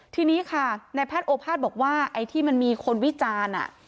ทีนี้ค่ะในแพทย์โอภาษย์บอกว่าไอ้ที่มันมีคนวิจารณ์